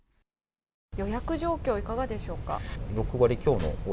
予約状況はいかがでしょうか？